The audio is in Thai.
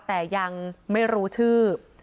แต่ยังไม่รู้ชื่อ